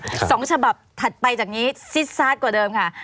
สองฉบับถัดไปจากนี้ซิดซาดกว่าเดิมค่ะ